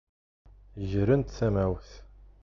Grent tamawt.